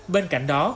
bên cạnh đó